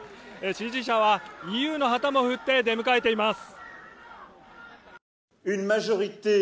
支持者はＥＵの旗も振って出迎えています。